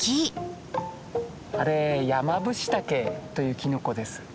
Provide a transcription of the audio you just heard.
あれヤマブシタケというキノコです。